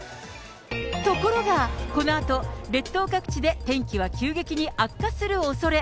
ところが、このあと、列島各地で天気は急激に悪化するおそれ。